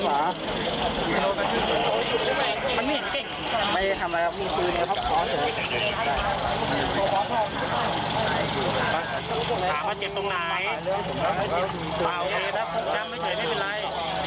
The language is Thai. โอเคถ้าพวกจ้างไม่ใช่ไม่เป็นไร